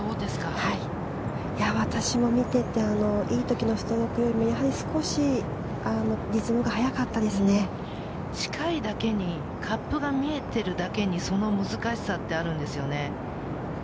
私も見ていていい時のストロークよりも少しリズムが近いだけにカップが見えているだけにその難しさってあるんですよね。